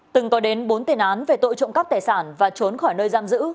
từng có đến bốn tiền án về tội trộm cắp tài sản và trốn khỏi nơi giam giữ